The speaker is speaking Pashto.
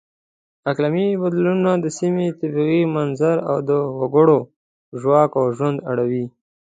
اقلیمي بدلونونه د سیمې طبیعي منظر او د وګړو ژواک او ژوند اړوي.